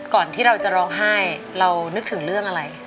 ก่อนที่เราจะร้องไห้เรานึกถึงเรื่องอะไร